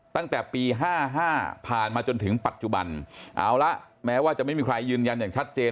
ตั้งแต่ปีห้าห้าผ่านมาจนถึงปัจจุบันเอาละแม้ว่าจะไม่มีใครยืนยันอย่างชัดเจน